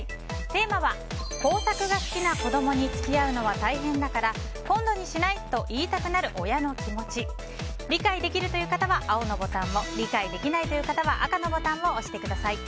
テーマは工作が好きな子供に付き合うのは大変だから今度にしない？と言いたくなる親の気持ち理解できるという方は青のボタンを理解できないという方は赤のボタンを押してください。